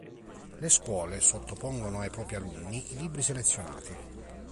Le scuole sottopongono ai propri alunni i libri selezionati.